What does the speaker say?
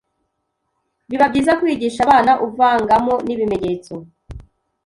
biba byiza kwigisha abana uvangamo n'ibimenyetso